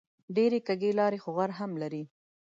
ډېرې کږې لارې خو غر هم لري